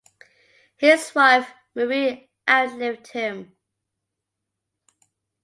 His wife Marie outlived him.